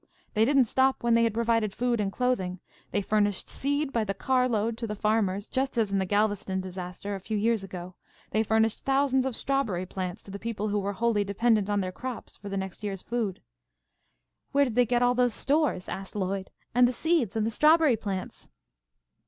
They didn't stop when they had provided food and clothing. They furnished seed by the car load to the farmers, just as in the Galveston disaster, a few years ago, they furnished thousands of strawberry plants to the people who were wholly dependent on their crops for their next year's food." "Where did they get all those stores?" asked Lloyd. "And the seeds and the strawberry plants?"